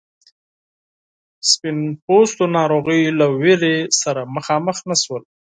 سپین پوستو ناروغیو له ویرې سره مخامخ نه شول.